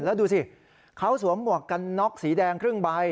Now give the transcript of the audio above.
แล้วดูสิเขาสวมหมวกกันน็อกสีแดงครึ่งใบ